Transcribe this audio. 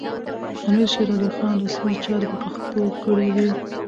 امیر شېرعلي خان رسمي چارې په پښتو کړې وې.